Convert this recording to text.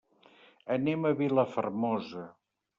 Anem a Vilafermosa.